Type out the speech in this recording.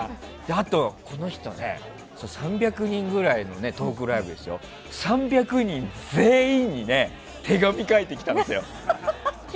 あとは、この人３００人ぐらいのトークライブで３００人全員に手紙書いてきたんですよ。